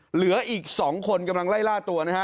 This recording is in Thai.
เหลืออีก๒คนกำลังไล่ล่าตัวนะฮะ